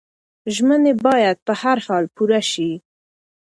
ژمنې باید په هر حال پوره شي.